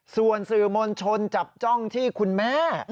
ส่วนสื่อมวลชนจับจ้องที่คุณแม่